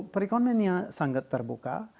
perikonomiannya sangat terbuka